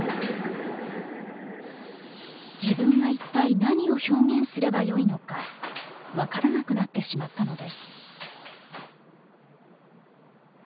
自分が一体何を表現すればよいのか分からなくなってしまったのです。